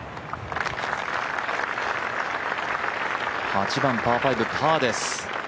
８番パー５、パーです。